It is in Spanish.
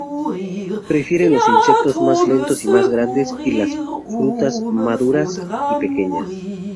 Prefieren los insectos más lentos y más grandes y las fruta maduras y pequeñas.